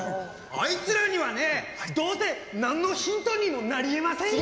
あいつらにはねどうせ何のヒントにもなりえませんよ。